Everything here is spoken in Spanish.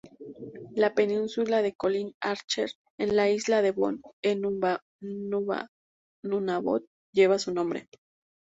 La península de Colin Archer en la isla Devon, en Nunavut, lleva su nombre.